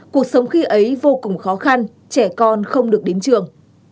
cuộc sống khi ấy vô cùng khó khăn trẻ con không được đến trường